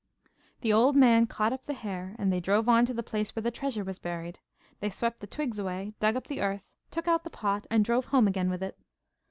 The old man caught up the hare, and they drove on to the place where the treasure was buried. They swept the twigs away, dug up the earth, took out the pot, and drove home again with it.